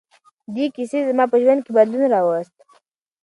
دې کیسې زما په ژوند کې بدلون راوست.